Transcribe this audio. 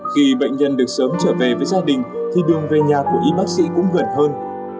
khi bệnh nhân được sớm trở về với gia đình thì đường về nhà của y bác sĩ cũng gần hơn